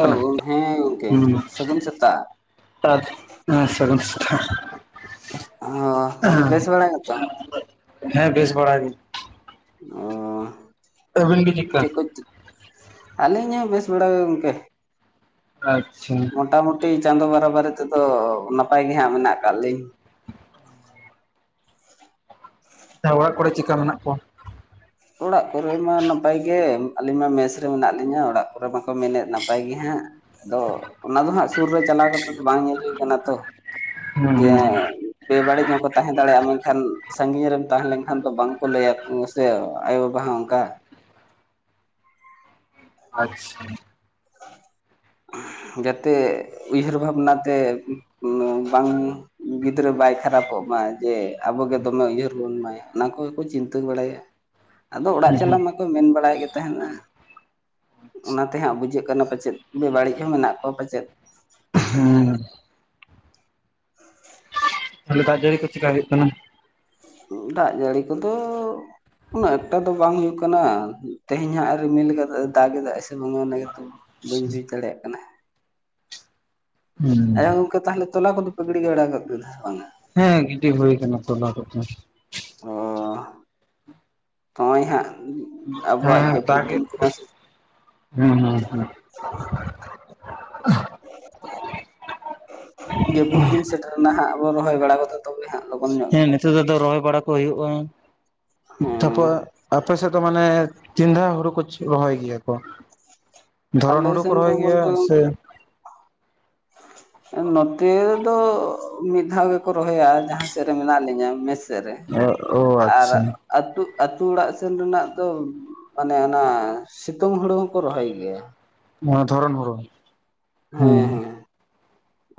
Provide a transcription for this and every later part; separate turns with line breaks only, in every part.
ᱠᱟᱱᱟ
ᱦᱮᱸ ᱜᱚᱝᱠᱮ
ᱦᱩᱸ
ᱥᱟᱹᱜᱩᱱ ᱥᱮᱛᱟᱜ᱾
ᱦᱮᱸ ᱥᱟᱹᱜᱤᱱ ᱥᱮᱛᱟᱜ᱾
ᱦᱚᱸ ᱛᱟᱦᱞᱮ ᱵᱮᱥ ᱵᱟᱲᱟ ᱜᱮᱛᱚ?
ᱦᱮᱸ ᱵᱮᱥ ᱵᱟᱲᱟ ᱜᱮ᱾
ᱚ
ᱟᱹᱵᱤᱱ ᱜᱮ ᱪᱮᱫᱠᱟ
ᱪᱮᱜ ᱠᱚ ᱪᱤ ᱟᱹᱞᱤᱧ ᱦᱚᱸ ᱵᱮᱥ ᱵᱟᱲᱟ ᱜᱮ ᱜᱚᱝᱠᱮ᱾
ᱟᱪᱪᱷᱟ
ᱢᱚᱴᱟ ᱢᱩᱴᱤ ᱪᱟᱸᱫᱚ ᱵᱟᱨᱟ ᱵᱟᱨᱤ ᱛᱮᱫᱚ ᱱᱟᱯᱟᱭ ᱜᱮ ᱦᱟᱸᱜ ᱢᱮᱱᱟᱜ ᱠᱟᱫ ᱞᱤᱧ᱾
ᱚᱲᱟᱜ ᱠᱚᱨᱮ ᱪᱮᱜᱠᱟ ᱢᱮᱱᱟᱜ ᱠᱚᱣᱟ?
ᱚᱲᱟᱜ ᱠᱚᱨᱮ ᱢᱟ ᱱᱟᱯᱟᱭ ᱜᱮ ᱟᱹᱞᱤᱧ ᱢᱟ ᱢᱮᱥ ᱨᱮ ᱢᱮᱱᱟᱜ ᱞᱤᱧᱟᱹ ᱚᱲᱟᱜ ᱠᱚᱨᱮ ᱢᱟᱠᱚ ᱢᱮᱱᱮᱫ ᱱᱟᱯᱟᱭ ᱜᱮ ᱦᱟᱸᱜ᱾ ᱟᱫᱚ ᱚᱱᱟ ᱫᱚ ᱦᱟᱸᱜ ᱥᱩᱨ ᱨᱮ ᱪᱟᱞᱟᱣ ᱠᱟᱛᱮᱫ ᱫᱚ ᱵᱟᱝ ᱧᱮᱞ ᱦᱩᱭ ᱠᱟᱱᱟ ᱛᱚ, ᱡᱮ
ᱦᱩᱸ ᱦᱩᱸ
ᱵᱮ ᱵᱟᱹᱲᱤᱡ ᱦᱚᱸ ᱠᱚ ᱛᱟᱦᱮᱸ ᱫᱟᱲᱮᱭᱟᱜ-ᱟ ᱢᱮᱱᱠᱷᱟᱱ ᱥᱟᱺᱜᱤᱧ ᱨᱮᱢ ᱛᱟᱦᱮᱸ ᱞᱮᱝᱠᱷᱟᱱ ᱛᱚ ᱵᱟᱝᱠᱚ ᱞᱟᱹᱭᱟ ᱥᱮ᱾ ᱟᱭᱳ ᱵᱟᱵᱟ ᱦᱚᱸ ᱚᱝᱠᱟ᱾
ᱟᱪᱪᱷᱟ
[inaudible] ᱡᱟᱛᱮ ᱩᱭᱦᱟᱹᱨ ᱵᱷᱟᱵᱽᱱᱟ ᱛᱮ ᱵᱟᱝ ᱜᱤᱫᱽᱨᱟᱹ ᱵᱟᱭ ᱠᱷᱟᱨᱟᱯᱚᱜ ᱢᱟ ᱡᱮ ᱟᱵᱚᱜᱮ ᱫᱚᱢᱮ ᱩᱭᱦᱟᱹᱨ ᱵᱚᱱ ᱢᱟᱭᱟ ᱚᱱᱟ ᱠᱚᱜᱮ ᱠᱚ ᱪᱤᱱᱛᱟᱹ ᱵᱟᱲᱟᱭᱟ᱾ ᱟᱫᱚ ᱚᱲᱟᱜ
ᱦᱩᱸ
ᱪᱟᱞᱟᱜ ᱢᱟ ᱠᱚ ᱢᱮᱱ ᱵᱟᱲᱟᱭᱮᱜ ᱜᱮ ᱛᱮᱦᱮᱱ ᱟ ᱚᱱᱟᱛᱮ ᱦᱟᱸᱜ ᱵᱩᱡᱷᱟᱹᱜ ᱠᱟᱱᱟ ᱯᱟᱪᱮᱫ ᱵᱮ ᱵᱟᱹᱲᱤᱡ ᱦᱚᱸ ᱢᱮᱱᱟᱜ ᱠᱚᱣᱟ ᱯᱟᱪᱮᱫ
ᱦᱩᱸ
[inaudible]
ᱛᱟᱦᱞᱮ ᱫᱟᱜ ᱡᱟᱹᱲᱤ ᱠᱚ ᱪᱤᱠᱟ ᱦᱩᱭᱩᱜ ᱠᱟᱱᱟ?
ᱫᱟᱜ ᱡᱟᱹᱲᱤ ᱠᱚᱫᱚ ᱩᱱᱟᱹᱜ ᱮᱠᱴᱟ ᱫᱚ ᱵᱟᱝ ᱦᱩᱭᱩᱜ ᱠᱟᱱᱟ ᱛᱮᱦᱮᱧ ᱦᱟᱸᱜ ᱨᱤᱢᱤᱞ ᱠᱟᱫᱟ ᱫᱟᱜ ᱮᱫᱟᱭ ᱥᱮ ᱵᱟᱝ ᱚᱱᱟ ᱜᱮ ᱛᱚ᱾ ᱵᱟᱹᱧ ᱵᱩᱡ ᱫᱟᱲᱮᱭᱟᱜ ᱠᱟᱱᱟ
ᱦᱩᱸ
ᱟᱫᱚ ᱜᱚᱝᱠᱮ ᱛᱟᱦᱞᱮ ᱛᱚᱞᱟ ᱠᱚᱫᱚᱱ ᱯᱮ ᱜᱤᱲᱤ ᱵᱟᱲᱟ ᱜᱚᱜ ᱠᱮᱫᱟ ᱥᱮ ᱵᱟᱝᱟ?
ᱦᱮᱸ ᱜᱤᱰᱤ ᱦᱩᱭ ᱠᱟᱱᱟ ᱛᱚᱞᱟ ᱠᱚᱛᱚ᱾
ᱚ ᱱᱚᱜ-ᱚᱭ ᱦᱟᱸᱜ ᱟᱵᱚᱣᱟᱜ ᱡᱟᱹᱯᱩᱫ ᱫᱤᱱ ᱠᱚᱢᱟ
ᱦᱮᱸ ᱦᱮᱸ ᱦᱮᱸ
ᱡᱟᱹᱯᱩᱫ ᱫᱤᱱ ᱥᱮᱴᱮᱨ ᱨᱮᱱᱟᱜ ᱦᱟᱸᱜ ᱟᱵᱚ ᱨᱚᱦᱚᱭ ᱵᱟᱲᱟ ᱠᱟᱛᱮ ᱛᱚᱵᱮ ᱦᱟᱸᱜ ᱞᱚᱜᱚᱱ ᱧᱚᱜ ᱜᱮ᱾
[unintelligible] ᱫᱚ ᱨᱚᱦᱚᱭ ᱵᱟᱲᱟ ᱠᱚ ᱦᱩᱭᱩᱜᱼᱟ
ᱦᱮᱸ
[unintelligible] ᱟᱯᱮ ᱥᱮᱫ ᱫᱚ ᱢᱟᱱᱮ ᱛᱤᱱ ᱫᱷᱟᱣ ᱦᱩᱲᱩ ᱠᱚ ᱨᱚᱦᱚᱭ ᱜᱮᱭᱟ ᱠᱚ? ᱫᱷᱚᱨᱚᱱ
ᱟᱞᱮ
ᱦᱩᱲᱩ ᱠᱚ
ᱥᱮᱱ ᱫᱚ
ᱨᱚᱦᱚᱭ ᱜᱮᱭᱟ
ᱵᱚᱞᱛᱮ
ᱥᱮ
ᱜᱚᱝᱠᱮ [unintelligible] ᱱᱚᱛᱮ ᱫᱚ ᱢᱤᱫ ᱫᱷᱟᱣ ᱜᱮᱠᱚ ᱨᱚᱦᱚᱭᱟ ᱡᱟᱦᱟᱸ ᱥᱮᱫ ᱨᱮ ᱢᱮᱱᱟᱜ ᱞᱤᱧᱟ, ᱢᱮ ᱥᱮᱫᱨᱮ
ᱚ
ᱟᱨ
ᱟᱪᱪᱷᱟ
ᱟᱹᱛᱩ ᱟᱹᱛᱩ ᱚᱲᱟᱜ ᱥᱮᱱ ᱨᱮᱱᱟᱜ ᱫᱚ ᱢᱟᱱᱮ ᱚᱱᱟ ᱥᱤᱛᱩᱝ ᱦᱩᱲᱩ ᱦᱚᱠᱚ ᱨᱚᱦᱚᱭ ᱜᱮᱭᱟ ᱾
ᱱᱚᱣᱟ ᱫᱷᱚᱨᱚᱱ ᱦᱳᱲᱳ ᱾
ᱦᱮᱸ ᱦᱮᱸ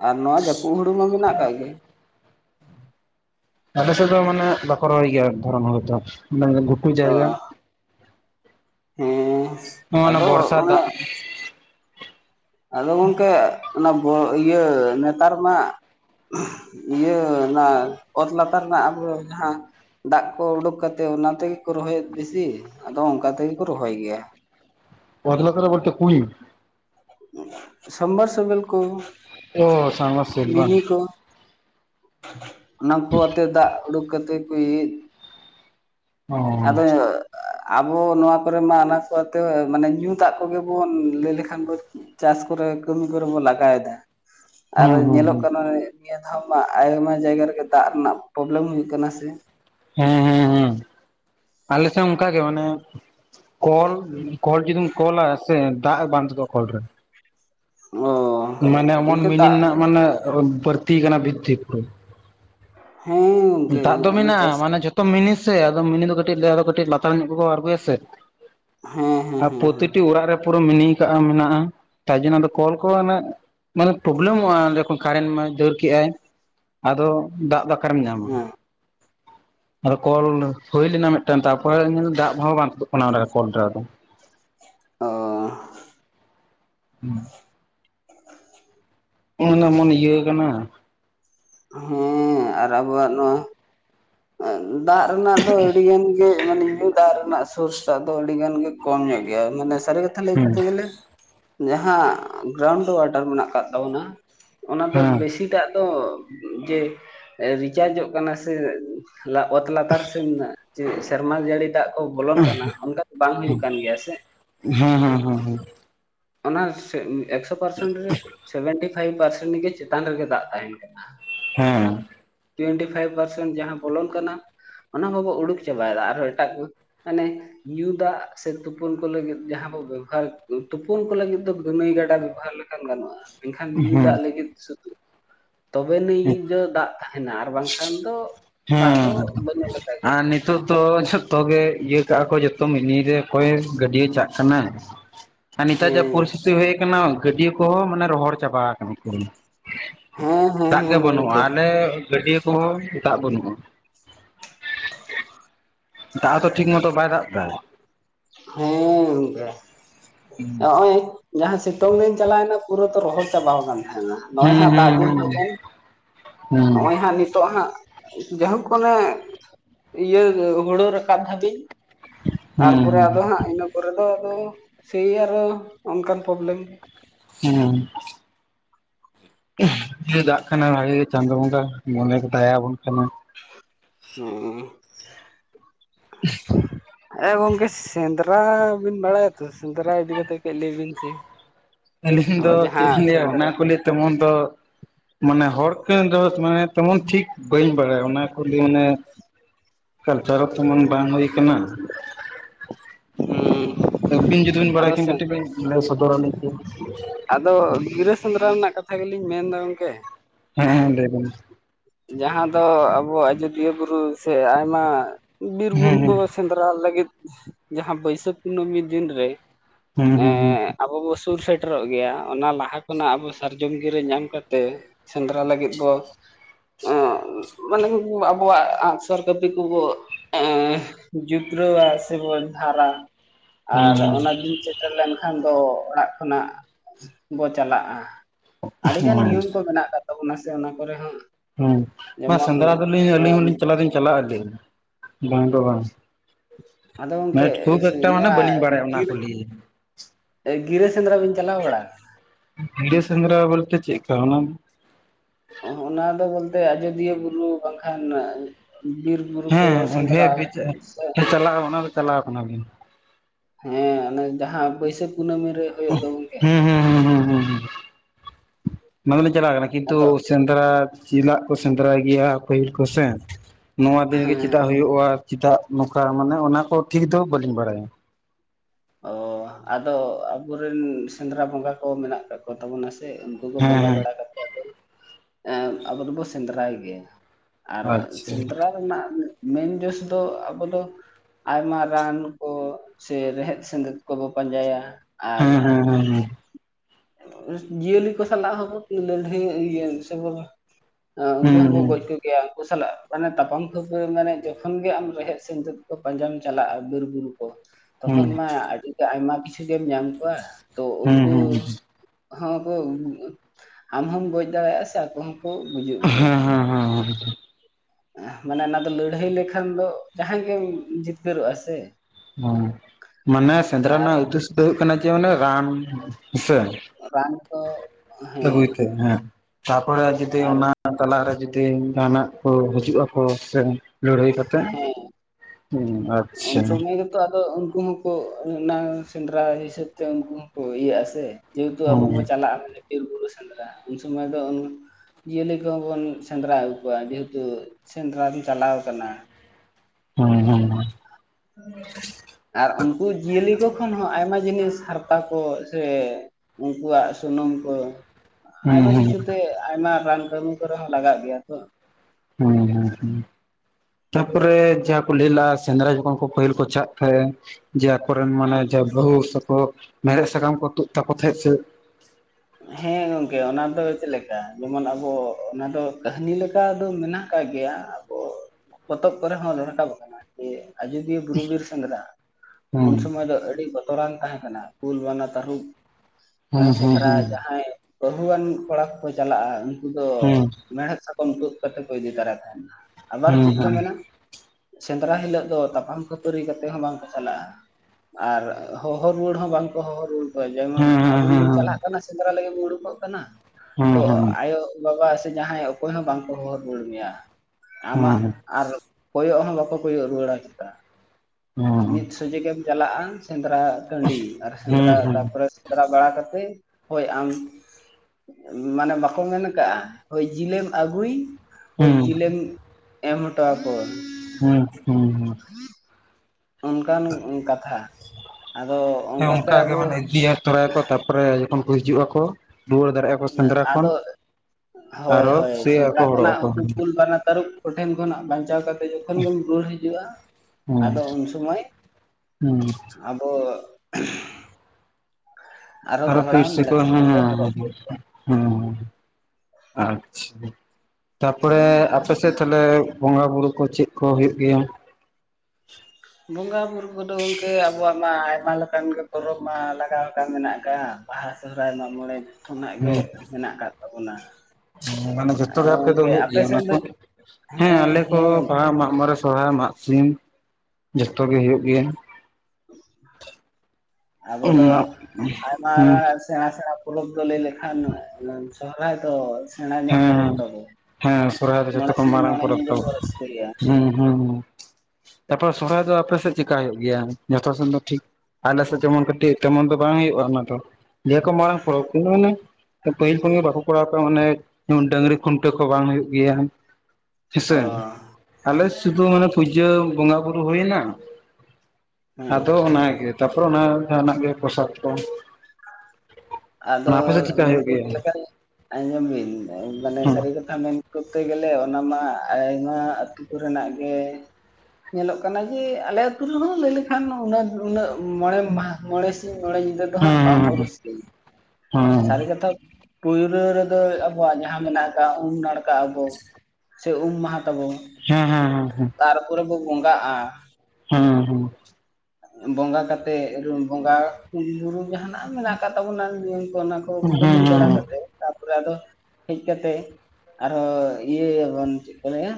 ᱟᱨ ᱱᱚᱣᱟ ᱡᱟᱹᱯᱩᱫ ᱦᱩᱲᱩ ᱢᱟ ᱢᱮᱱᱟᱜ ᱟᱠᱟᱫ ᱜᱮ ᱾
ᱟᱞᱮ ᱥᱮᱫ ᱫᱚ ᱢᱟᱱᱮ ᱵᱟᱠ ᱨᱚᱦᱚᱭ ᱜᱮᱭᱟ ᱫᱷᱚᱨᱚᱱ ᱦᱳᱲᱳ ᱫᱚ, ᱢᱟᱱᱮ ᱜᱩᱴᱩ ᱡᱟᱭᱜᱟ
ᱦᱮᱸᱻ
ᱱᱚᱜ ᱚᱱᱟ
ᱟᱫᱚ
ᱵᱚᱨᱥᱟ
ᱚᱱᱟ
ᱫᱟᱜ
ᱟᱫᱚ ᱜᱚᱢᱠᱮ ᱚᱱᱟ ᱤᱭᱟᱹ ᱱᱮᱛᱟᱨ ᱢᱟ ᱤᱭᱟᱹ ᱚᱱᱟ ᱚᱛ ᱞᱟᱛᱟᱨ ᱨᱮᱱᱟᱜ ᱟᱵᱚ ᱡᱟᱦᱟᱸ ᱫᱟᱜ ᱠᱚ ᱩᱰᱩᱠ ᱠᱟᱛᱮᱫ ᱚᱱᱟ ᱛᱮᱜᱮ ᱠᱚ ᱨᱚᱦᱚᱭᱮᱫ ᱵᱮᱥᱤ ᱟᱫᱚ ᱚᱱᱠᱟ ᱛᱮᱜᱮ ᱠᱚ ᱨᱚᱦᱚᱭ ᱜᱮᱭᱟ,
[inaudible] ᱵᱚᱞᱛᱮ ᱠᱩᱧ
ᱥᱚᱢᱵᱟᱨ ᱥᱮᱵᱮᱞ ᱠᱚ
ᱚ ᱥᱟᱵᱢᱟᱨᱥᱟᱞ ᱵᱟᱝ
ᱢᱤᱱᱤ ᱠᱚ ᱚᱱᱟ ᱠᱚ ᱟᱛᱮ ᱫᱟᱜ ᱩᱰᱩᱠ ᱠᱟᱛᱮᱫ ᱠᱚ
ᱚ
[inaudible]
ᱦᱩᱸ
ᱟᱫᱚ ᱟᱵᱚ ᱱᱚᱣᱟ ᱠᱚᱨᱮ ᱢᱟ ᱚᱱᱟ ᱠᱚᱛᱮ ᱢᱟᱱᱮ ᱧᱩ ᱫᱟᱜ ᱠᱚᱜᱮ ᱵᱚᱱ ᱞᱟᱹᱭ ᱞᱮᱠᱷᱟᱱ ᱵᱚᱱ ᱪᱟᱥ ᱠᱚᱨᱮ ᱠᱟᱹᱢᱤ ᱠᱚᱨᱮ ᱵᱚᱱ ᱞᱟᱜᱟᱣᱮᱫᱟ ᱟᱨ
ᱦᱩᱸ
ᱧᱮᱞᱚᱜ
ᱦᱩᱸ
ᱠᱟᱱᱟ ᱱᱤᱭᱟᱹ ᱫᱷᱟᱣ ᱢᱟ ᱟᱭᱢᱟ ᱡᱟᱭᱜᱟ ᱨᱮᱜᱮ ᱫᱟᱜ ᱨᱮᱱᱟᱜ ᱯᱨᱚᱵᱞᱮᱢ ᱦᱩᱭᱩᱜ ᱠᱟᱱᱟ ᱥᱮ
ᱦᱮᱸ ᱦᱮᱸ ᱦᱮᱸ ᱟᱞᱮ ᱥᱮᱫ ᱚᱱᱠᱟᱜᱮ ᱢᱟᱱᱮ ᱠᱚᱞ ᱠᱚᱞ ᱡᱩᱫᱤᱢ ᱠᱚᱞᱟ ᱥᱮ ᱫᱟᱜ ᱵᱟᱝ ᱛᱩᱫᱩᱟ ᱠᱚᱞ ᱨᱮ᱾
ᱚ
ᱢᱟᱱᱮ ᱮᱢᱚᱱ
ᱜᱚᱝᱠᱮ
ᱢᱤᱱᱤ
ᱫᱟᱜ
ᱨᱮᱱᱟᱜ ᱢᱟᱱᱮ ᱵᱟᱹᱲᱛᱤ ᱠᱟᱱᱟ ᱵᱷᱤᱛᱛᱤᱠ ᱛᱮ
ᱦᱮᱸ ᱜᱚᱝᱠᱮ
ᱫᱟᱜ ᱫᱚ
ᱚᱱᱟ ᱪᱟᱥ
ᱢᱮᱱᱟᱜᱼᱟ
ᱠᱚ
ᱢᱟᱱᱮ ᱡᱷᱚᱛᱚ ᱢᱤᱱᱤᱥ ᱥᱮ ᱟᱫᱚ ᱢᱤᱱᱤ ᱫᱚ ᱠᱟᱹᱴᱤᱡᱟᱹᱭ ᱠᱟᱹᱴᱤᱡ ᱞᱟᱛᱟᱨ ᱧᱚᱜ ᱠᱚᱠᱚ ᱟᱬᱜᱩᱭᱟᱥᱮ,
ᱦᱮᱸ ᱦᱮᱸ
ᱟᱨ
ᱦᱮᱸ
ᱯᱨᱚᱛᱤᱴᱤ ᱚᱲᱟᱜ ᱨᱮ ᱯᱩᱨᱟᱹ ᱢᱤᱱᱤ ᱠᱟᱜᱼᱟ ᱢᱮᱱᱟᱜᱼᱟ ᱛᱟᱨ ᱡᱚᱱᱱᱮ ᱫᱚ ᱠᱚᱞ ᱠᱚ ᱩᱱᱟᱹᱜ ᱢᱟᱱᱮ ᱯᱨᱚᱵᱞᱮᱢᱚᱜᱼᱟ ᱚᱸᱰᱮ ᱠᱷᱚᱱ ᱠᱟᱨᱮᱱᱴ ᱢᱟᱭ ᱫᱟᱹᱲ ᱠᱮᱜᱟᱭ ᱟᱫᱚ ᱫᱟᱜ ᱫᱚ ᱟᱠᱟᱨᱮᱢ ᱧᱟᱢᱟ ᱾
ᱦᱮᱸ
ᱟᱫᱚ ᱠᱚᱞ ᱦᱩᱭ ᱞᱮᱱᱟ ᱢᱤᱫᱴᱟᱝ ᱛᱟᱨᱯᱚᱨᱮ ᱧᱮᱞ ᱫᱟᱹᱧ ᱫᱟᱜ ᱦᱚᱸ ᱵᱟᱝ ᱛᱩᱫᱩᱜ ᱠᱟᱱᱟ ᱚᱱᱟ ᱠᱚᱞ ᱨᱮᱫᱚ,
ᱚᱻ
[unintelligible] ᱮᱢᱚᱱ ᱮᱢᱚᱱ ᱤᱭᱟᱹ ᱠᱟᱱᱟ
ᱦᱮᱸ ᱟᱨ ᱟᱵᱚᱣᱟᱜ ᱱᱚᱣᱟ ᱫᱟᱜ ᱨᱮᱱᱟᱜ ᱫᱚ ᱟᱹᱰᱤ ᱜᱟᱱ ᱜᱮ [unintelligible] ᱫᱟᱜ ᱨᱮᱱᱟᱜ ᱥᱳᱥᱴᱟᱜ ᱫᱚ ᱟᱹᱰᱤ ᱜᱟᱱ ᱜᱮ ᱠᱚᱢ ᱧᱚᱜ ᱜᱮᱭᱟ ᱢᱟᱱᱮ ᱥᱟᱹᱨᱤ ᱛᱟᱦᱚᱞᱮ
ᱦᱮᱸ
ᱠᱚᱨᱛᱮ ᱜᱮᱞᱮ ᱡᱟᱦᱟᱸ ᱜᱨᱟᱣᱩᱱᱰ ᱣᱟᱴᱟᱨ ᱢᱮᱱᱟᱜ ᱟᱠᱟᱫ ᱛᱟᱵᱚᱱᱟ ᱚᱱᱟ ᱫᱚ
ᱦᱮᱸ
ᱵᱮᱥᱤ ᱫᱟᱜ ᱫᱚ ᱡᱮ ᱨᱤᱪᱟᱨᱡᱚᱜ ᱠᱟᱱᱟ ᱥᱮ ᱚᱛ ᱞᱟᱛᱟᱨ ᱥᱮᱱ ᱥᱮᱨᱢᱟ ᱡᱟᱹᱲᱤ ᱫᱟᱜ ᱠᱚ ᱵᱚᱞᱚᱱ ᱠᱟᱱᱟ ᱚᱱᱠᱟ ᱫᱚ ᱵᱟᱝ ᱦᱩᱭᱩᱜ ᱠᱟᱱ ᱜᱮᱭᱟ ᱥᱮ,
ᱦᱮᱸ ᱦᱮᱸ
ᱚᱱᱟ ᱮᱠᱥᱚ ᱯᱟᱨᱥᱮᱱᱴ ᱨᱮ ᱥᱮᱵᱷᱮᱱᱴᱤ ᱯᱷᱟᱭᱤᱵᱷ ᱯᱟᱨᱥᱮᱱᱴ ᱜᱮ ᱪᱮᱛᱟᱱ ᱨᱮᱜᱮ ᱫᱟᱜ ᱛᱟᱦᱮᱱ ᱠᱟᱱᱟ ᱾
ᱦᱮᱸ ᱾
ᱴᱩᱭᱮᱱᱴᱤ ᱯᱷᱟᱭᱤᱵᱷ ᱯᱟᱨᱥᱮᱱᱴ ᱡᱟᱦᱟᱸ ᱵᱚᱞᱚᱱ ᱠᱟᱱᱟ ᱚᱱᱟ ᱵᱟᱵᱚ ᱩᱰᱩᱠ ᱪᱟᱵᱟᱭᱮᱫᱟ ᱟᱨᱦᱚᱸ ᱮᱴᱟᱜ ᱠᱚ ᱢᱟᱱᱮ ᱧᱩ ᱫᱟᱜ ᱥᱮ ᱛᱩᱯᱩᱱ ᱠᱚ ᱞᱟᱹᱜᱤᱫ ᱡᱟᱦᱟᱸ ᱵᱚ ᱵᱮᱵᱚᱦᱟᱨ ᱛᱩᱯᱩᱱ ᱠᱚ ᱞᱟᱹᱜᱤᱫ ᱫᱚ ᱜᱱᱟᱹᱭ ᱜᱟᱰᱟ ᱵᱮᱵᱚᱦᱟᱨ ᱞᱟᱹᱜᱤᱫ ᱜᱟᱱᱚᱜᱼᱟ ᱮᱱᱠᱷᱟᱱ ᱧᱩ
ᱦᱮᱸ
ᱫᱟᱜ ᱞᱟᱹᱜᱤᱫ ᱥᱩᱫᱷᱩ ᱛᱚᱵᱮᱱᱤᱡ ᱡᱮ ᱫᱟᱜ ᱦᱮᱱᱟ ᱟᱨ ᱵᱟᱝᱠᱷᱟᱱ ᱫᱚᱼᱼ
ᱦᱮᱸ ᱟᱨ ᱱᱤᱛᱼᱼ -ᱚᱜ ᱫᱚ ᱡᱚᱛᱚ ᱜᱮ ᱤᱭᱟᱹ ᱠᱟᱜᱼᱟ ᱠᱚ ᱡᱚᱛᱚ ᱢᱤᱫᱤᱱᱮ ᱚᱠᱚᱭᱮ ᱜᱟᱹᱰᱭᱟᱹ ᱪᱟᱜ ᱠᱟᱱᱟᱭ᱾
[inaudible]
ᱟᱨ ᱱᱮᱛᱟᱨ ᱡᱟ ᱯᱚᱨᱤᱥᱛᱷᱤᱛᱤ ᱦᱭ ᱟᱠᱟᱱᱟ ᱜᱟᱹᱰᱭᱟᱹ ᱠᱚᱦᱚᱸ ᱢᱟᱱᱮ ᱨᱚᱦᱚᱲ ᱪᱟᱵᱟ ᱟᱠᱟᱱᱟ ᱯᱩᱨᱟᱹ᱾
ᱦᱮᱸ ᱦᱮᱸ
ᱫᱟᱜ
ᱦᱮᱸ
ᱜᱮ ᱵᱟᱹᱱᱩᱜᱼᱟ
ᱜᱚᱝᱠᱮ
ᱟᱞᱮ ᱜᱟᱹᱰᱭᱟᱹ ᱠᱚᱦᱚᱸ ᱫᱟᱜ ᱵᱟᱹᱱᱩᱜᱼᱟ᱾
[inaudible]
ᱫᱟᱜ ᱫᱚ ᱛᱚ ᱴᱷᱤᱠ ᱢᱚᱛᱚ ᱵᱟᱭ ᱫᱟᱜ ᱮᱫᱟᱭᱼᱼᱼ
ᱦᱮᱸ ᱚᱱᱠᱟᱭ [unintelligible] ᱡᱟᱦᱟᱸ ᱥᱤᱛᱩᱝ ᱫᱤᱱ ᱪᱟᱞᱟᱣᱮᱱᱟ ᱯᱩᱨᱟᱹ ᱛᱚ ᱨᱚᱦᱚᱲ ᱪᱟᱵᱟᱟᱣ ᱟᱠᱟᱱ ᱛᱟᱦᱮᱱᱟ ᱱᱚᱜ ᱚᱭ
ᱦᱩᱸ
ᱦᱟᱸᱜ ᱫᱟᱜ ᱫᱤᱱ
ᱦᱩᱸ
ᱦᱮᱡ ᱮᱱᱼᱼ
ᱦᱩᱸ
ᱱᱚᱜᱼᱚᱭ ᱦᱟᱸᱜ ᱱᱤᱛᱚᱜ ᱦᱟᱸᱜᱼᱼᱼ ᱡᱟ [inaudible] ᱤᱭᱟᱹ ᱦᱩᱲᱟᱹ ᱨᱟᱠᱟᱵ ᱫᱷᱟᱹᱵᱤᱡ
ᱦᱩᱸ
ᱛᱟᱨᱯᱚᱨᱮ
ᱦᱩᱸ
ᱟᱫᱚ ᱦᱟᱸᱜ ᱤᱱᱟᱹ᱾ ᱠᱚᱚᱨ ᱫᱚ ᱟᱫᱚ ᱥᱮᱭ ᱟᱨᱚ ᱚᱱᱠᱟᱱ ᱯᱨᱚᱵᱞᱮᱢ ᱜᱮᱼᱼᱼ
ᱦᱮᱸ ᱡᱮ ᱫᱟᱜ ᱠᱦᱟᱱᱮ ᱵᱷᱟᱜᱤ ᱪᱟᱸᱫᱳ ᱵᱚᱸᱜᱟ ᱢᱚᱱᱮ ᱠᱚ ᱫᱟᱭᱟᱦᱟᱵᱚᱱ ᱠᱦᱟᱱᱮᱼᱼᱼᱼ
ᱦᱮᱸ ᱮ ᱜᱚᱝᱠᱮ ᱥᱼᱼ ᱥᱮᱸᱫᱽᱨᱟ ᱵᱤᱱ ᱵᱟᱲᱟᱭᱟᱛᱚ ᱥᱮᱸᱫᱽᱨᱟ ᱤᱫᱤ ᱠᱟᱛᱮ ᱠᱟᱹᱡ ᱞᱟᱹᱭ ᱵᱤᱱ ᱥᱮᱼᱼᱼ
ᱟᱹᱞᱤᱧ ᱫᱚ ᱪᱮᱫ ᱞᱤᱧ ᱞᱟᱹᱭᱟ ᱚᱱᱟ ᱠᱚᱞᱮᱼᱼ ᱛᱮᱢᱚᱱ ᱫᱚ ᱢᱟᱱᱮ ᱦᱚᱲ ᱠᱮᱱ ᱫᱚᱥ ᱢᱟᱱᱮ ᱛᱮᱢᱚᱱ ᱴᱷᱤᱠᱼᱼ ᱵᱟᱹᱧ ᱵᱟᱲᱟᱭᱟ ᱚᱱᱟ ᱠᱚᱨᱮ ᱢᱟᱱᱮ ᱠᱟᱞᱪᱟᱨ ᱦᱚᱸ ᱛᱮᱢᱚᱱ ᱵᱟᱝ ᱦᱩᱭ ᱟᱠᱟᱱᱟ᱾
ᱦᱩᱸ
ᱟᱹᱵᱤᱱ ᱡᱩᱫᱤ ᱵᱤᱱ ᱵᱟᱲᱟᱭ
ᱟᱫᱚ
ᱠᱷᱟᱱ
ᱥᱮᱸ
ᱠᱟᱹᱴᱤᱡ ᱵᱮᱤᱱ ᱞᱟᱹᱭ ᱥᱚᱫᱚᱨᱟᱹᱞᱤᱧ ᱠᱮᱭᱟ᱾
ᱟᱫᱚ ᱜᱤᱨᱟᱹ ᱥᱮᱸᱫᱽᱨᱟ ᱨᱮᱱᱟᱜ ᱠᱟᱛᱷᱟ ᱜᱮᱞᱤᱧ ᱢᱮᱱᱫᱟ ᱜᱚᱢᱠᱮᱼᱼ
ᱦᱮᱸ ᱦᱮᱸ ᱞᱟᱹᱭᱵᱤᱱ
ᱡᱟᱦᱟᱸ ᱫᱚ ᱟᱵᱚ ᱟᱡᱚᱫᱤᱭᱟᱹ ᱵᱩᱨᱩ ᱥᱮ ᱟᱭᱢᱟ ᱵᱤᱨ ᱵᱩᱨᱩ
ᱦᱩᱸ
ᱠᱚᱼᱼ ᱥᱮᱸᱫᱽᱨᱟ ᱞᱟᱹᱜᱤᱫ ᱡᱟᱦᱟᱸ ᱵᱟᱹᱭᱥᱟᱹᱠᱷ ᱠᱩᱱᱟᱹᱢᱤ ᱫᱤᱱ ᱨᱮᱼ
ᱦᱩᱸ ᱦᱩᱸ ᱦᱩᱸ
ᱟᱵᱚ ᱵᱚ ᱥᱩᱨ ᱥᱮᱴᱮᱨᱚᱜ ᱜᱮᱭᱟ ᱚᱱᱟ ᱞᱟᱦᱟ ᱠᱷᱚᱱᱟᱜ ᱟᱵᱚ ᱥᱟᱨᱡᱚᱢ ᱜᱤᱨᱟᱹ ᱧᱟᱢ ᱠᱟᱛᱮ ᱥᱮᱸᱫᱽᱨᱟ ᱞᱟᱹᱜᱤᱫ ᱵᱚᱼᱼ ᱚᱸ ᱢᱟᱱᱮ ᱟᱵᱚᱣᱟᱜ ᱟᱜ -ᱥᱟᱨ ᱠᱟᱹᱯᱤ ᱠᱚᱵᱚᱼ ᱮᱸ ᱡᱩᱛᱨᱟᱹᱣ ᱥᱮᱵᱚᱱ ᱫᱷᱟᱨᱟ᱾ ᱟᱨ
ᱦᱩᱸ
ᱚᱱᱟ
ᱦᱩᱸ
ᱫᱤᱱ ᱥᱮᱴᱮᱨ ᱞᱮᱱᱠᱷᱟᱱ ᱫᱚ ᱚᱲᱟᱜ ᱠᱷᱚᱱᱟᱜ ᱵᱚ ᱪᱟᱞᱟᱜᱼᱟ᱾
ᱦᱩᱸ
ᱟᱹᱰᱤᱜᱟᱱ
ᱦᱩᱸ
ᱱᱤᱭᱚᱢ ᱠᱚ ᱢᱮᱱᱟᱜ ᱟᱠᱟᱫ ᱛᱟᱵᱚᱱᱟ ᱥᱮ ᱚᱱᱟ ᱠᱚᱨᱮ ᱦᱚᱸᱼᱼ
ᱦᱮᱸ ᱵᱟᱸ ᱥᱮᱸᱫᱽᱨᱟ ᱫᱚᱞᱤᱧ ᱟᱹᱞᱤᱧ ᱦᱚᱞᱤᱧ ᱪᱟᱞᱟᱜ ᱟᱹᱞᱤᱧ ᱵᱟᱝ ᱫᱚ ᱵᱟᱝᱼ
ᱟᱫᱚ
ᱢᱟᱱᱮ
ᱜᱚᱝᱠᱮ
ᱠᱷᱩᱵ ᱮᱠᱴᱟ ᱢᱟᱱᱮ
ᱱᱚᱣᱟ
ᱵᱟᱹᱞᱤᱧ ᱵᱟᱲᱟᱭᱟ ᱚᱱᱟ ᱠᱚ ᱞᱤᱧ
-ᱮ ᱜᱤᱨᱟ. ᱥᱮᱸᱪᱫᱽᱨᱟ ᱵᱤᱱ ᱪᱟᱞᱟᱣ ᱵᱟᱲᱣᱟ᱾
ᱜᱤᱨᱟᱹ ᱥᱮᱸᱫᱽᱨᱟ ᱵᱚᱞᱛᱮ ᱪᱮᱫᱠᱟ ᱚᱱᱟᱫᱚᱼᱼ
ᱚ ᱚᱱᱟ ᱫᱚ ᱵᱚᱞᱛᱮ ᱟᱡᱚᱫᱤᱭᱟᱹ ᱵᱩᱨᱩ ᱵᱟᱝᱠᱷᱟᱱᱼᱼ ᱵᱤᱨ ᱵᱩᱼᱼ
ᱦᱮᱸ [inaudible] ᱵᱤᱪ ᱪᱟᱞᱟᱜᱼᱟ ᱚᱱᱟ ᱫᱚ ᱪᱟᱞᱟᱣ ᱟᱠᱟᱱᱟ ᱵᱤᱱ
ᱦᱮᱸ ᱚᱱᱮ ᱡᱟᱦᱟᱸ ᱵᱟᱹᱭᱥᱟᱹᱠᱷ ᱠᱩᱱᱟᱹᱢᱤ ᱨᱮᱼᱼ
ᱦᱩᱸ ᱦᱩᱸ ᱦᱩᱸ ᱦᱩᱸ ᱦᱚᱸ ᱢᱟᱱᱮ ᱫᱳᱞᱤᱧ ᱪᱟᱞᱟᱣ ᱠᱟᱱᱟ ᱠᱤᱱᱛᱩᱼᱼ
ᱟᱫᱚ
ᱥᱮᱸᱫᱽᱨᱟ ᱡᱤᱞᱟᱜ ᱠᱚ ᱥᱮᱸᱫᱽᱨᱟᱭ ᱜᱮᱭᱟ ᱚᱠᱚᱭ ᱠᱚᱥᱮ ᱱᱚᱣᱟ ᱫᱤᱱ ᱜᱮ
ᱦᱮᱸ ᱦᱮᱸ
ᱪᱮᱫᱟᱜ ᱦᱩᱭᱩᱜᱼᱟ ᱪᱮᱫᱟᱜ ᱱᱚᱝᱠᱟ ᱢᱟᱱᱮ ᱚᱱᱟ ᱠᱚ ᱴᱷᱤᱠ ᱫᱚ ᱵᱟᱹᱞᱤᱧ ᱵᱟᱲᱟᱭᱟ᱾
ᱚᱻ ᱟᱫᱚ ᱟᱵᱚᱨᱮᱱ ᱥᱮᱸᱫᱽᱨᱟ ᱵᱚᱸᱜᱟ ᱠᱚ ᱢᱮᱱᱟᱜ ᱠᱟᱜ ᱠᱚᱛᱟᱵᱚᱱᱟ ᱥᱮ ᱩᱱᱠᱩ ᱩᱱᱠᱩ ᱠᱚ
ᱦᱮᱸ
ᱵᱚᱸᱜᱟ
ᱦᱮᱸ
ᱵᱟᱲᱟ ᱠᱟᱛᱮᱜ ᱮ ᱟᱵᱚ ᱫᱚᱵᱚ ᱥᱮᱸᱫᱽᱨᱟᱭ ᱜᱮᱭᱟ, ᱟᱨ
ᱟᱪᱪᱷᱟ
ᱥᱮᱸᱫᱽᱨᱟ ᱨᱮᱱᱟᱜ ᱢᱮᱱ ᱡᱚᱥ ᱫᱚ ᱟᱵᱚ ᱫᱚ ᱟᱭᱢᱟ ᱨᱟᱱ ᱠᱚ ᱥᱮ ᱨᱮᱦᱮᱫ, ᱥᱮᱸᱫᱮᱛ ᱠᱚᱵᱚ ᱯᱟᱸᱡᱟᱭᱟ ᱟᱨ
ᱦᱮᱸ ᱦᱮᱸ ᱦᱮᱸ,
ᱟᱨ ᱡᱤᱭᱟᱹᱞᱤ ᱠᱚ ᱥᱟᱞᱟᱜ ᱦᱚᱸ ᱵᱚᱱ ᱞᱟᱹᱲᱦᱟᱹᱭᱚᱜ ᱜᱤᱭᱟᱹ ᱥᱮ ᱵᱚᱱ ᱩᱱᱠᱩ
ᱦᱮᱸ ᱦᱩᱸ
ᱦᱚᱸ ᱵᱚᱱ
ᱦᱩᱸ
ᱜᱚᱡ ᱠᱚ ᱜᱮᱭᱟ ᱩᱱᱠᱩ ᱥᱟᱞᱟᱜ ᱢᱟᱱᱮ ᱛᱟᱯᱟᱢ ᱠᱷᱟᱹᱯᱟᱹᱨᱤ ᱢᱟᱱᱮ ᱡᱚᱠᱷᱚᱱ ᱜᱮ ᱟᱢ ᱨᱮᱦᱮᱫ ᱥᱮᱱᱛᱮᱫ ᱠᱚ ᱯᱟᱸᱡᱟᱢ ᱪᱟᱞᱟᱜ-ᱟ ᱵᱤᱨ ᱵᱩᱨᱩ, ᱛᱚᱠᱷᱚᱱ
ᱦᱩᱸ
ᱢᱟ ᱟᱹᱰᱤ ᱟᱭᱢᱟ ᱠᱤᱪᱷᱩ ᱜᱮᱢ ᱧᱟᱢ ᱠᱚᱣᱟ ᱛᱚ
ᱦᱩᱸ
ᱩᱱᱠᱩ
ᱦᱩᱸ ᱦᱩᱸ
ᱦᱚᱸᱠᱩ ᱟᱢ ᱦᱚᱢ ᱜᱚᱡ ᱫᱟᱲᱮᱭᱟ-ᱟ ᱥᱮ ᱟᱠᱚ ᱦᱚᱢ ᱠᱚ ᱜᱩᱡᱩᱜ᱾ ᱜᱮᱭᱟ
ᱦᱮᱸ ᱦᱮᱸ ᱦᱮᱸ ᱦᱮᱸ,
ᱢᱟᱱᱮ ᱚᱱᱟ ᱫᱚ ᱞᱟᱹᱲᱦᱟᱹᱭ ᱞᱮᱠᱷᱟᱱ ᱫᱚ ᱡᱟᱦᱟᱸᱭ ᱜᱮᱢ ᱡᱤᱛᱠᱟᱹᱨᱚᱜ-ᱟ ᱥᱮ,
ᱦᱮᱸ, ᱢᱟᱱᱮ ᱥᱮᱸᱫᱽᱨᱟ
ᱟᱨ
ᱨᱮᱱᱟᱜ ᱩᱫᱽᱫᱮᱥᱥᱚ ᱫᱚ ᱦᱩᱭᱩᱜ ᱠᱟᱱᱟ ᱡᱮ ᱢᱟᱱᱮ ᱨᱟᱱ ᱦᱮᱸ,
ᱨᱟᱱ ᱫᱚ,
ᱟᱹᱜᱩᱭ ᱛᱮ, ᱦᱮᱸ ᱛᱟᱯᱚᱨᱮ ᱟᱨ ᱡᱩᱫᱤ ᱚᱱᱟ ᱛᱟᱞᱟᱨᱮ ᱡᱩᱫᱤ ᱡᱟᱦᱟᱱᱟᱜ ᱠᱚ ᱦᱤᱡᱩᱜ ᱟᱠᱚ ᱥᱮ ᱞᱟᱹᱲᱦᱟᱹᱭ ᱠᱟᱛᱮ,
ᱦᱮᱸ
ᱦᱩᱸ ᱟᱪᱪᱷᱟ᱾
ᱤᱱᱟᱹ ᱛᱮ ᱟᱫᱚ ᱩᱱᱠᱩ ᱠᱚ ᱚᱱᱟ ᱥᱮᱸᱫᱽᱨᱟ ᱦᱤᱥᱟᱹᱵᱽ ᱛᱮ ᱩᱱᱠᱩ ᱦᱚᱸᱠᱚ ᱤᱭᱟᱹᱜ-ᱟ ᱥᱮ ᱡᱮᱦᱮᱛᱩ ᱟᱵᱚ ᱵᱚ
ᱦᱩᱸ
ᱪᱟᱞᱟᱜ-ᱟ ᱢᱟᱱᱮ ᱵᱤᱨ ᱵᱩᱨᱩ ᱥᱮᱸᱫᱽᱨᱟ, ᱩᱱ ᱥᱚᱢᱚᱭ ᱫᱚ ᱡᱤᱭᱟᱹᱞᱤ ᱠᱚᱦᱚᱸ ᱵᱚᱱ ᱥᱮᱸᱫᱽᱨᱟ ᱟᱹᱜᱩ ᱠᱚᱣᱟ ᱡᱮᱦᱮᱛᱩ ᱥᱮᱸᱫᱽᱨᱟ ᱵᱤᱱ ᱪᱟᱞᱟᱣ ᱟᱠᱟᱱᱟ᱾
ᱦᱩᱸ ᱦᱩᱸ ᱦᱩᱸ,
ᱟᱨ ᱩᱱᱠᱩ ᱡᱤᱭᱟᱹᱞᱤ ᱠᱚ ᱠᱷᱚᱱ ᱦᱚᱸ ᱟᱭᱢᱟ ᱡᱤᱱᱤᱥ ᱦᱟᱨᱛᱟ ᱠᱚ, ᱥᱮ ᱩᱱᱠᱩᱣᱟᱜ ᱥᱩᱱᱩᱢ ᱠᱚ, ᱟᱭᱢᱟ
ᱦᱩᱸ
ᱠᱤᱪᱷᱩ ᱛᱮ ᱟᱭᱢᱟ ᱨᱟᱱ ᱠᱟᱹᱢᱤ ᱠᱚᱨᱮᱦᱚᱸ ᱞᱟᱜᱟᱜ ᱜᱮᱭᱟ, ᱛᱚ
ᱦᱩᱸ ᱦᱩᱸ ᱦᱩᱸ, ᱛᱟᱨᱯᱚᱨᱮ ᱡᱟᱦᱟᱸ ᱠᱚ ᱞᱟᱹᱭ ᱞᱮᱜ-ᱟ ᱥᱮᱸᱫᱽᱨᱟ ᱡᱚᱠᱷᱚᱱ ᱠᱚ ᱯᱟᱹᱦᱤᱞ ᱠᱚ ᱪᱟᱜ ᱛᱟᱦᱮᱸ ᱡᱮ ᱟᱠᱚᱨᱮᱱ ᱢᱟᱱᱮ ᱡᱟᱸᱦᱟᱭ ᱵᱟᱹᱦᱩ ᱥᱮᱠᱚ ᱢᱮᱲᱦᱮᱫ ᱥᱟᱠᱟᱢ ᱠᱚ ᱛᱩᱫ ᱛᱟᱠᱚ ᱛᱟᱦᱮᱸᱜ ᱥᱮ
ᱦᱮᱸ ᱜᱚᱝᱠᱮ ᱚᱱᱟ ᱫᱚ ᱪᱮᱫ ᱞᱮᱠᱟ ᱡᱮᱢᱚᱱ ᱟᱵᱚ ᱚᱱᱟ ᱫᱚ ᱠᱟᱹᱦᱱᱤ ᱞᱮᱠᱟ ᱫᱚ ᱢᱮᱱᱟᱜ ᱚᱠᱟᱜ ᱜᱮᱭᱟ ᱟᱵᱚ ᱯᱚᱛᱚᱵ ᱠᱚᱨᱮ ᱦᱚᱸ ᱨᱠᱟᱵ ᱟᱠᱟᱱᱟ᱾ᱡᱮ ᱟᱡᱚᱫᱤᱭᱟᱹ ᱵᱩᱨᱩ ᱵᱤᱨ ᱥᱮᱸᱫᱽᱨᱟ, ᱩᱱ
ᱦᱩᱸ
ᱥᱚᱢᱚᱭ ᱫᱚ ᱟᱹᱰᱤ ᱵᱚ ᱛᱚᱨᱟᱱ ᱛᱟᱦᱮᱸ ᱠᱟᱱᱟ ᱠᱩᱞ, ᱵᱟᱱᱟ, ᱛᱟᱹᱨᱩᱵ,
ᱦᱩᱸ
ᱢᱟᱱᱮ
ᱦᱩᱸ
ᱥᱮᱸᱫᱽᱨᱟᱭ
ᱦᱩᱸ
ᱡᱟᱸ ᱦᱟᱭ ᱵᱟᱹᱦᱩᱣᱟᱱ ᱠᱚᱲᱟ ᱠᱚᱠᱚ ᱪᱟᱞᱟᱜ-ᱟ ᱩᱱᱠᱩ ᱫᱚ
ᱦᱩᱸ
ᱢᱮᱲᱦᱮᱫ ᱥᱟᱠᱟᱢ ᱛᱩᱫ ᱠᱟᱛᱮᱫ ᱠᱚ ᱤᱫᱤ ᱛᱟᱨᱟᱭ ᱛᱟᱦᱮᱸᱱᱟ ᱟᱵᱟᱨ
ᱦᱩᱸ
ᱪᱮᱫ ᱠᱚ
ᱦᱩᱸ
ᱢᱮᱱᱟ ᱥᱮᱸᱫᱽᱨᱟ ᱦᱤᱞᱟᱹᱜ ᱫᱚ ᱛᱟᱯᱟᱢ ᱠᱷᱟᱹᱯᱟᱹᱨᱤ ᱠᱟᱛᱮᱫ ᱦᱚᱸ ᱵᱟᱝ ᱠᱚ ᱪᱟᱞᱟᱜ-ᱟ᱾ ᱟᱨ ᱦᱚᱦᱚ ᱨᱩᱣᱟᱹᱲ ᱦᱚᱸ ᱵᱟᱝ ᱠᱚ ᱦᱚᱦᱚ ᱨᱩᱣᱟᱹᱲ ᱠᱚᱣᱟ᱾ ᱡᱮᱢᱚᱱ ᱟᱹᱵᱤᱱ ᱵᱤᱱ
ᱦᱮᱸ
ᱪᱟᱞᱟᱜ ᱠᱟᱱᱟ ᱥᱮᱸᱫᱽᱨᱟ ᱞᱟᱹᱜᱤᱫ ᱵᱤᱱ ᱩᱰᱩᱠᱚᱜ ᱠᱟᱱᱟ ᱛᱚ
ᱦᱮᱸ
ᱟᱭᱳ ᱵᱟᱵᱟ ᱥᱮ ᱡᱟᱦᱟᱸᱭ ᱚᱠᱚᱭ ᱦᱚᱸ ᱵᱟᱝ ᱠᱚ ᱦᱚᱦᱚ ᱨᱩᱣᱟᱹᱲ ᱢᱮᱭᱟ ᱟᱢᱟᱜ ᱟᱨ ᱠᱚᱭᱚᱜ ᱦᱚᱸ ᱵᱟᱠᱚ ᱠᱚᱭᱚᱜ ᱨᱩᱣᱟᱹᱲᱟ ᱪᱮᱛᱟ ᱢᱤᱫ
ᱚᱱᱠᱟ
ᱥᱚᱡᱷᱮ ᱜᱮᱢ ᱪᱟᱞᱟᱜ-ᱟ ᱥᱮᱸᱫᱽᱨᱟ ᱴᱟᱺᱰᱤ ᱟᱨ ᱥᱮᱸᱫᱽᱨᱟ ᱛᱟᱨᱯᱚᱨᱮ ᱥᱮᱸᱫᱽᱨᱟ ᱵᱟᱲᱟ ᱠᱟᱛᱮᱫ ᱦᱳᱭ ᱟᱢ ᱢᱟᱱᱮ ᱵᱟᱠᱚ ᱢᱮᱱ ᱠᱟᱜ-ᱟ ᱦᱳᱭ ᱡᱤᱞᱮᱢ ᱟᱹᱜᱩᱭ, ᱦᱳᱭ ᱡᱤᱞᱮᱢ ᱮᱢ ᱦᱚᱴᱚᱣᱟᱠᱚᱣᱟ᱾
ᱦᱩᱸ ᱦᱩᱸ ᱦᱩᱸ,
ᱚᱱᱠᱟᱱ ᱠᱟᱛᱷᱟ ᱟᱫᱚ ᱚᱱᱠᱟ ᱛᱮ ᱟᱵᱚ
ᱯᱚᱨᱮ ᱡᱚᱠᱷᱚᱱ ᱠᱚ ᱦᱤᱡᱩᱜ ᱟᱠᱚ ᱨᱩᱣᱟᱹᱲ ᱫᱟᱲᱮᱭᱟᱜᱼᱟ ᱠᱚ ᱥᱮᱸᱫᱽᱨᱟ ᱠᱷᱚᱱ
ᱟᱫᱚ ᱦᱳᱭ
ᱟᱨᱚ
ᱦᱳᱭ
ᱥᱮᱭᱟ
ᱥᱮᱸᱫᱽᱨᱟ
ᱠᱚ ᱦᱚᱨᱚᱜ
ᱠᱷᱚᱱᱟᱜ
ᱟᱠᱚ
ᱩᱱᱠᱩ ᱠᱩᱞ ᱵᱟᱱᱟ ᱛᱟᱹᱨᱩᱵ ᱠᱚ ᱴᱷᱮᱱ ᱠᱷᱚᱱᱟᱜ ᱵᱟᱧᱪᱟᱣ ᱠᱟᱛᱮ ᱡᱚᱠᱷᱚᱱ ᱜᱮᱢ ᱨᱩᱣᱟᱹᱲ ᱦᱤᱡᱩᱜ-ᱟ,
ᱦᱮᱸ
ᱟᱫᱚ ᱩᱱ ᱥᱚᱢᱚᱭ
ᱦᱮᱸ
ᱟᱵᱚ
ᱟᱨᱚ
ᱫᱚᱦᱲᱟ
ᱯᱷᱤᱨ ᱥᱮ ᱠᱚ
ᱢᱮᱲᱦᱮᱫ ᱥᱟᱠᱟᱢ
ᱦᱮᱸ
ᱦᱚᱨᱚᱜ
ᱦᱮᱸ᱾
ᱜᱮᱭᱟ
ᱦᱮᱸ ᱦᱮᱸ ᱟᱪᱪᱷᱟ, ᱛᱟᱯᱚᱨᱮ ᱟᱯᱮ ᱥᱮᱫ ᱛᱟᱦᱞᱮ ᱵᱚᱸᱜᱟ ᱵᱩᱨᱩ ᱠᱚ ᱪᱮᱫ ᱠᱚ ᱦᱩᱭᱩᱜ ᱜᱮᱭᱟ?
ᱵᱚᱸᱜᱟ ᱵᱩᱨᱩ ᱠᱚᱫᱚ ᱜᱚᱝᱠᱮ ᱟᱵᱚᱣᱟᱜ ᱢᱟ ᱟᱭᱢᱟ ᱞᱮᱠᱟᱱ ᱜᱮ ᱯᱚᱨᱚᱵᱽ ᱢᱟ ᱞᱟᱜᱟᱣ ᱟᱠᱟᱱ ᱢᱮᱱᱟᱜ ᱟᱠᱟᱜ᱾ ᱵᱟᱦᱟ, ᱥᱚᱦᱚᱨᱟᱭ, ᱢᱟᱜᱽ ᱢᱚᱬᱮ, ᱡᱚᱛᱚᱱᱟᱜ ᱜᱮ
ᱦᱮᱸ
ᱢᱮᱱᱟᱜ ᱠᱟᱫ ᱛᱟᱵᱚᱱᱟ᱾
ᱢᱟᱱᱮ ᱡᱚᱛᱚ ᱜᱮ ᱟᱯᱮ ᱫᱚ
ᱜᱚᱝᱠᱮ
ᱦᱩᱭᱩᱜ
ᱟᱯᱮ
ᱜᱮᱭᱟ ᱚᱱᱟ
ᱥᱮᱱ ᱫᱚ
ᱠᱚ? ᱦᱮᱸ ᱟᱞᱮ ᱠᱚ ᱵᱟᱦᱟ ᱢᱟᱜᱽ ᱢᱚᱬᱮ ᱥᱚᱨᱦᱟᱭ ᱢᱟᱜ ᱥᱤᱢ ᱡᱚᱛᱚ ᱜᱮ ᱦᱩᱭᱩᱜ ᱜᱮᱭᱟ᱾
ᱟᱵᱚ ᱫᱚ
ᱢᱟᱜ
ᱟᱭᱢᱟ
ᱦᱮᱸ
ᱥᱮᱬᱟ ᱥᱮᱬᱟ ᱯᱚᱨᱚᱵᱽ ᱫᱚ ᱞᱟᱹᱭ ᱞᱮᱠᱷᱟᱱ ᱥᱚᱦᱨᱟᱭ ᱫᱚ ᱥᱮᱬᱟ ᱧᱚᱜ ᱯᱚᱨᱚᱵᱽ
ᱦᱮᱸ ᱦᱮᱸ
ᱛᱟᱵᱚ᱾
ᱦᱮᱸ ᱥᱚᱨᱦᱟᱭ ᱫᱚ ᱡᱚᱛᱚ
ᱢᱚᱬᱮ
ᱠᱷᱚᱱ
ᱥᱤᱧ
ᱢᱟᱨᱟᱝ
ᱢᱚᱲᱮ
ᱯᱚᱨᱚᱵᱽ
ᱧᱤᱫᱟᱹ
ᱛᱟᱵᱚ
ᱵᱚ ᱨᱟᱹᱥᱠᱟᱹᱭᱟ᱾
ᱦᱩᱸ ᱦᱩᱸ ᱛᱟᱯᱚᱨ ᱥᱚᱦᱨᱟᱭ ᱫᱚ ᱟᱯᱮ ᱥᱮᱫ ᱪᱮᱠᱟ ᱦᱩᱭᱩᱜ ᱜᱮᱭᱟ? ᱡᱷᱚᱛᱚ ᱥᱮᱱ ᱫᱚ ᱴᱷᱤᱠ ᱟᱞᱮ ᱥᱮᱫ ᱡᱮᱢᱚᱱ ᱠᱟᱹᱴᱤᱡ ᱛᱮᱢᱚᱱ ᱫᱚ ᱵᱟᱝ ᱦᱩᱭᱩᱜᱼᱟ ᱚᱱᱟ ᱫᱚ, ᱞᱟᱹᱭᱟ ᱠᱚ ᱢᱟᱲᱟᱝ ᱯᱚᱨᱚᱵᱽ ᱠᱟᱱᱟ ᱢᱟᱱᱮ ᱯᱟᱦᱤᱞ ᱠᱷᱚᱱ ᱜᱮ ᱵᱟᱠᱚ ᱠᱚᱨᱟᱣ ᱛᱮ ᱚᱱᱮ ᱰᱟᱝᱨᱤ ᱠᱷᱩᱱᱴᱟᱹᱣ ᱠᱚ ᱵᱟᱝ ᱦᱩᱭᱩᱜ ᱜᱮᱭᱟ ᱦᱮᱸᱥᱮ?
ᱚ
ᱟᱞᱮ ᱥᱩᱫᱩ ᱢᱟᱱᱮ ᱯᱩᱡᱟᱹ ᱵᱚᱸᱜᱟ ᱵᱩᱨᱩ ᱦᱩᱭ ᱮᱱᱟ ᱟᱫᱚ
ᱦᱮᱸ
ᱚᱱᱟ ᱜᱮ᱾ ᱛᱟᱯᱚᱨ ᱚᱱᱟ ᱡᱟᱦᱟᱱᱟᱜ ᱜᱮ ᱯᱳᱥᱟᱫ ᱠᱚ ᱚᱱᱟ
ᱟᱫᱚ
ᱟᱯᱮ ᱥᱮᱫ ᱪᱮᱠᱟ ᱦᱩᱭᱩᱜ
ᱜᱚᱢᱠᱮ
ᱜᱮᱭᱟ
ᱪᱮᱫᱞᱮᱠᱟᱱ ᱟᱸᱡᱚᱢ ᱵᱤᱱ ᱢᱟᱱᱮ
ᱦᱮᱸ
ᱥᱟᱹᱨᱤ ᱠᱟᱛᱷᱟ [inaudible] ᱢᱮᱱ ᱠᱚᱨᱛᱮ ᱜᱮᱞᱮ ᱚᱱᱟ ᱢᱟ ᱟᱭᱢᱟ ᱟᱛᱩ ᱠᱚᱨᱮᱱᱟᱜ ᱜᱮ ᱧᱮᱞᱚᱜ ᱠᱟᱱᱟ ᱡᱮ ᱟᱞᱮ ᱟᱛᱩ ᱨᱮᱦᱚᱸ ᱞᱟᱹᱭ ᱞᱮᱠᱷᱟᱱ ᱩᱱᱟᱹᱜ ᱩᱱᱟ. ᱜ ᱢᱚᱬᱮ ᱢᱟᱦᱟ ᱢᱚᱬᱮ ᱥᱤᱧ ᱢᱚᱬᱮ ᱧᱤᱫᱟᱹ ᱫᱚ
ᱦᱮᱸ
ᱦᱟᱸᱜ ᱵᱟᱝᱵᱚᱱ
ᱦᱮᱸ
ᱨᱟᱹᱥᱠᱟᱹᱭᱟ,
ᱦᱮᱸ
ᱥᱟᱨᱤ ᱠᱟᱛᱷᱟ ᱯᱳᱭᱞᱟᱹ ᱨᱮᱫᱚ ᱟᱵᱚᱣᱟᱜ ᱡᱟᱦᱟᱸ ᱢᱮᱱᱟᱜ ᱠᱟᱜᱼᱟ ᱩᱢ ᱱᱟᱲᱠᱟᱜ ᱟᱵᱚ᱾ ᱥᱮ ᱩᱢ ᱢᱟᱦᱟ ᱛᱟᱵᱚ᱾
ᱦᱮᱸ ᱦᱮᱸ ᱦᱮᱸ ᱦᱮᱸ᱾
ᱛᱟᱨᱯᱚᱨᱮ ᱵᱚ ᱵᱚᱸᱜᱟᱜᱼᱟ᱾
ᱦᱮᱸ ᱦᱮᱸ᱾
ᱵᱚᱸᱜᱟ ᱠᱟᱛᱮᱜ ᱨᱩᱢ ᱵᱚᱸᱜᱟ ᱵᱩᱨᱩ ᱡᱟᱦᱟᱱᱟᱜ ᱢᱮᱱᱟᱜ ᱟᱠᱟᱫ ᱛᱟᱵᱚᱱᱟ ᱡᱤᱭᱚᱱ ᱠᱚ ᱚᱱᱟ ᱠᱚ
ᱦᱮᱸ ᱦᱮᱸ ᱦᱮᱸ
ᱠᱟᱹᱢᱤ ᱵᱟᱲᱟ ᱠᱟᱛᱮᱜ, ᱛᱟᱯᱚᱨᱮ ᱟᱫᱚ ᱦᱮᱡ ᱠᱟᱛᱮᱜ ᱟᱨᱦᱚᱸ ᱤᱭᱟᱹᱭᱟᱵᱚᱱ ᱪᱮᱫ ᱠᱚ ᱞᱟᱹᱭᱟ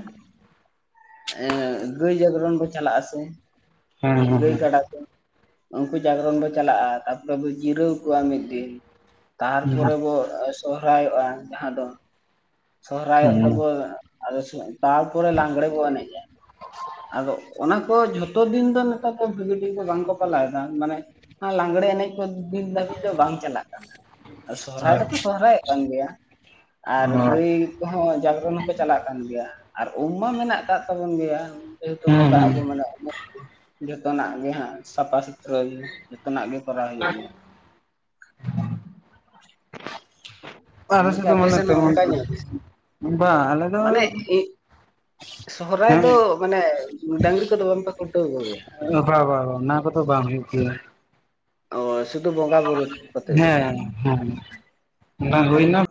ᱮᱸ ᱜᱟᱹᱭ ᱡᱟᱜᱽᱨᱚᱱ ᱵᱚ ᱪᱟᱞᱟᱜ ᱟᱥᱮ ᱜᱟᱹᱭ ᱠᱟᱰᱟ ᱠᱚ᱾ ᱩᱱᱠᱩ ᱡᱟᱜᱚᱨᱚᱱ ᱵᱚ ᱪᱟᱞᱟᱜᱼᱟ, ᱛᱟᱯᱚᱨᱮ ᱵᱚ ᱡᱤᱨᱟᱹᱣ ᱠᱚᱣᱟ ᱢᱤᱫ ᱫᱤᱱ᱾
ᱦᱮᱸ
ᱛᱟᱨᱯᱚᱨᱮ ᱵᱚ ᱥᱚᱦᱨᱟᱭᱚᱜᱼᱟ᱾ ᱡᱟᱦᱟᱸ ᱫᱚ ᱥᱚᱦᱨᱟᱭᱚᱜ ᱛᱮᱵᱚᱱ ᱟᱫᱚ ᱛᱟᱨᱯᱚᱨᱮ ᱞᱟᱸᱜᱽᱬᱮ ᱵᱚᱱ ᱮᱱᱮᱡᱼᱟ᱾ ᱟᱫᱚ ᱚᱱᱟ ᱠᱚ ᱡᱷᱚᱛᱚ ᱫᱤᱱ ᱫᱚ ᱱᱮᱛᱟᱨ ᱫᱚ ᱵᱷᱟᱹᱜᱤ ᱴᱷᱤᱠ ᱫᱚ ᱵᱟᱝᱠᱚ ᱯᱟᱞᱟᱣ ᱮᱫᱟ ᱢᱟᱱᱮ᱾ ᱞᱟᱜᱽᱲᱮ ᱮᱱᱮᱡ ᱠᱚ ᱫᱤᱱ ᱫᱷᱟᱹᱵᱤᱡ ᱫᱚ ᱵᱟᱝ ᱪᱟᱞᱟᱜ ᱠᱟᱱᱟ᱾ ᱥᱚᱦᱨᱟᱭ ᱫᱚᱠᱚ ᱥᱚᱦᱨᱟᱭᱚᱜ ᱠᱟᱱ ᱜᱮᱭᱟ᱾ ᱟᱨ
ᱦᱮᱸ
ᱜᱟᱹᱭ ᱠᱚᱦᱚᱸ ᱡᱟᱜᱽᱨᱚᱱ ᱦᱚᱸᱠᱚ ᱪᱟᱞᱟᱜ ᱠᱟᱱ ᱜᱮᱭᱟ, ᱟᱨ ᱩᱢ ᱢᱟ ᱢᱮᱱᱟᱜ ᱢᱮᱛᱟᱜ ᱛᱟᱵᱚᱱ ᱜᱮᱭᱟ, ᱡᱮᱦᱮᱛᱩ
ᱦᱮᱸ
ᱵᱚᱸᱜᱟ ᱟᱵᱚ
ᱦᱮᱸ
ᱢᱟᱱᱮ ᱡᱚᱛᱚᱱᱟᱜ ᱜᱮ ᱦᱟᱸᱜ ᱥᱟᱯᱷᱟ ᱥᱩᱛᱨᱟᱹ ᱡᱚᱛᱚᱱᱟᱜ ᱜᱮ ᱠᱚᱨᱟᱣ ᱦᱩᱭᱩᱜ ᱜᱮᱭᱟ᱾
ᱟᱞᱮ ᱥᱮᱫ
ᱜᱚᱝᱠᱮ
ᱫᱚ ᱢᱟᱱᱮ
ᱟᱯᱮᱥᱮᱱ
ᱛᱮᱢᱚᱱ
ᱱᱚᱝᱠᱟ ᱧᱮᱞ
ᱵᱟᱝ ᱟᱞᱮ ᱫᱚ
ᱢᱟᱱᱮ ᱤᱧᱻ ᱥᱚᱦᱨᱟᱭ
ᱦᱮᱸ
ᱫᱚ ᱢᱟᱱᱮ ᱰᱟᱺᱝᱨᱤ ᱠᱚᱫᱚ ᱵᱟᱝᱯᱮ ᱠᱷᱩᱱᱴᱟᱹᱣ ᱠᱚᱜᱮᱭᱟ?
ᱵᱟ ᱵᱟ ᱚᱱᱟ ᱠᱚᱫᱚ ᱵᱟᱝ ᱦᱩᱭᱩᱜ ᱜᱮᱭᱟ ᱾
ᱚ ᱥᱩᱫᱷᱩ ᱵᱚᱸᱜᱟ ᱵᱩᱨᱩ ᱠᱚᱛᱮᱫ ᱜᱮ ᱾
ᱦᱮᱸ ᱾ [unintelligible] ᱦᱩᱭ ᱮᱱᱟ